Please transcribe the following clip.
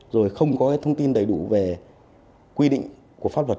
rồi không có thông tin đầy đủ về quy định của pháp luật